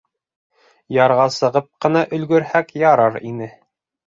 — Ярға сығып ҡына өлгөрһәк ярар ине.